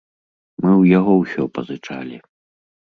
Мы ў яго ўсё пазычалі.